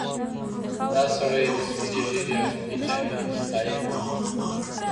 دا سړی د سپینې ږیرې او سپینې جامې هیڅ لایق نه و.